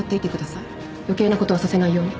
余計なことはさせないように。